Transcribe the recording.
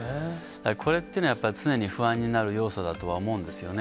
これってね、やっぱり常に不安になる要素だとは思うんですよね。